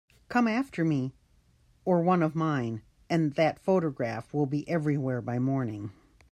Come after me or one of mine, and that photograph will be everywhere by morning.